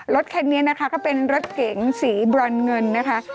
รถคันนี้นะคะก็เป็นรถเก๋งสีบรอนเงินนะคะ